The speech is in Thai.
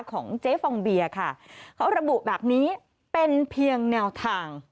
ของเจ๊ฟองเบียค่ะเขาระบุแบบนี้เป็นเพียงแนวทาง